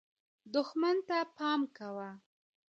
دښمن ته پام کوه .